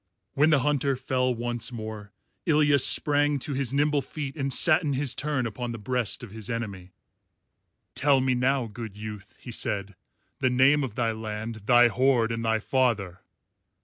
When the Hunter fell once more, Ilya sprang to his nimble feet and sat in his turn upon the breast of his enemy. "Tell me now, good youth," he said, "the name of thy land, thy horde, and thy father."